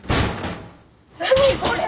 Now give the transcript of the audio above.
何これ！？